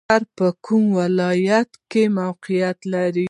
بابا غر په کوم ولایت کې موقعیت لري؟